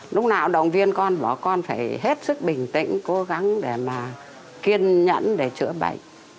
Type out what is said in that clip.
lúc nào động viên con bỏ con phải hết sức bình tĩnh cố gắng để mà kiên nhẫn để chữa bệnh